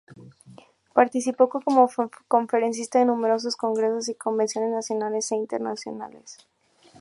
Participó como conferencista de numerosos congresos y convenciones nacionales e internacionales.